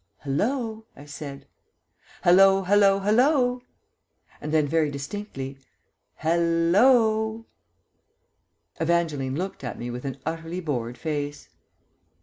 "Hallo," I said, "hallo hallo hallo," and then very distinctly, "Hal lo." Evangeline looked at me with an utterly bored face.